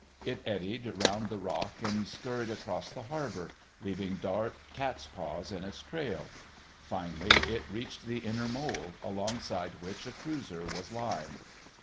It eddied round the Rock and scurried across the harbour, leaving dark cat's paws in its trail: finally it reached the inner mole, alongside which a cruiser was lying.